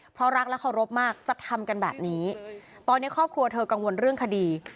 เพราะรักและเคารพมากจะทำกันแบบนี้ตอนนี้ครอบครัวเธอกังวลเรื่องคดี